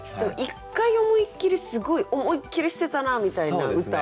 一回思いっきりすごい思いっきり捨てたなみたいな歌とかね。